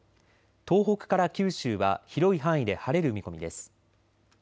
東北から九州は広い範囲で晴れる見込みです。